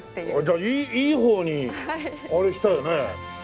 ああじゃあいい方にあれしたよね。